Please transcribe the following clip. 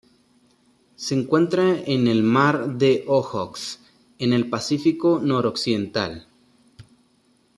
Se encuentra en el Mar de Ojotsk en el Pacífico Noroccidental.